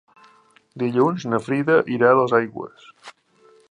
Dilluns na Frida irà a Dosaigües.